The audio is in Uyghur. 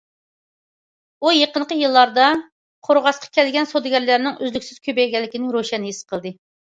ئۇ يېقىنقى يىللاردا قورغاسقا كەلگەن سودىگەرلەرنىڭ ئۈزلۈكسىز كۆپەيگەنلىكىنى روشەن ھېس قىلدى.